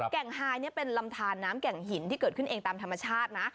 แก่งฮายเป็นลำทานน้ำแก่งหินที่เกิดขึ้นเองตามธรรมชาตินะ